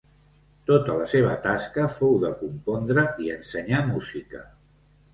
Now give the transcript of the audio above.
Tota la seva tasca fou de compondre i ensenyar música.